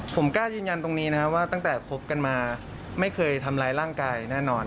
ผมกล้ายืนยันตรงนี้นะครับว่าตั้งแต่คบกันมาไม่เคยทำร้ายร่างกายแน่นอน